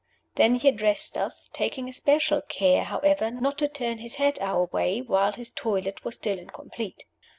Then he addressed us, taking especial care, however, not to turn his head our way while his toilet was still incomplete.